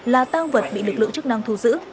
là tăng vật bị lực lượng chức năng thu giữ